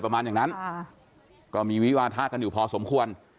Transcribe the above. ประมาณอย่างนั้นก็มีวิวาทะกันอยู่พอสมควร